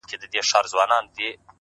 o خدايه هغه زما د کور په لار سفر نه کوي،